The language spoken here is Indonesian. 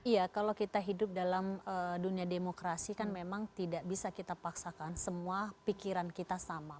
iya kalau kita hidup dalam dunia demokrasi kan memang tidak bisa kita paksakan semua pikiran kita sama